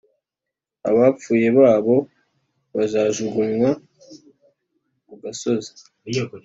Abapfuye babo bazajugunywa ku gasozi,